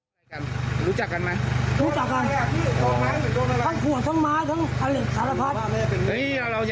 ผมขอเจอร้อยเวงหน่อย